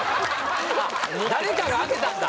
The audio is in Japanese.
誰かが空けたんだ。